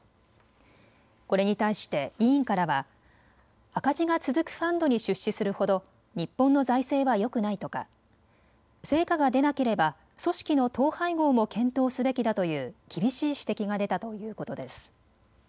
これに対して委員からは赤字が続くファンドに出資するほど日本の財政はよくないとか成果が出なければ組織の統廃合も検討すべきだという厳しい指摘が出たということです。